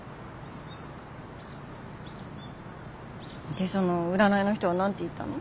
でその占いの人は何て言ったの？